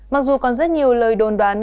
mặc dù còn rất nhiều lời đồn đoán